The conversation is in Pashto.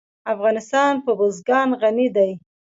افغانستان په بزګان غني دی.